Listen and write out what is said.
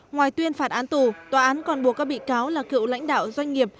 ngoài tuyên phạt án tù tòa án còn buộc các bị cáo là cựu lãnh đạo doanh nghiệp